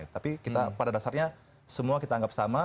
tapi kita pada dasarnya semua kita anggap sama